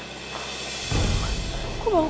itu ada bangku ini bangunan